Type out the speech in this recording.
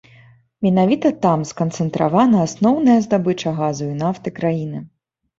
Менавіта там сканцэнтравана асноўная здабыча газу і нафты краіны.